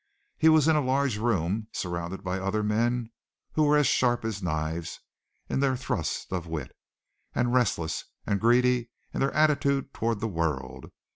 He was in a large room surrounded by other men who were as sharp as knives in their thrusts of wit, and restless and greedy in their attitude toward the world.